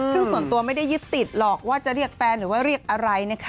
ซึ่งส่วนตัวไม่ได้ยึดติดหรอกว่าจะเรียกแฟนหรือว่าเรียกอะไรนะคะ